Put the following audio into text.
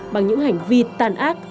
bằng những hành vi tàn ác